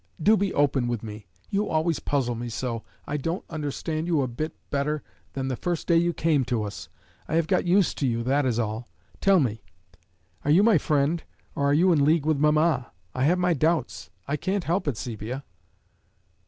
Do be open with me. You always puzzle me so! I don't understand you a bit better than the first day you came to us. I have got used to you that is all. Tell me are you my friend, or are you in league with mamma? I have my doubts. I can't help it, Sepia."